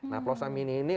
nah plosa mini ini